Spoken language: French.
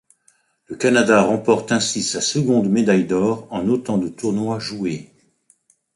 Le Canada remporte ainsi sa seconde médaille d'or en autant de tournois joués.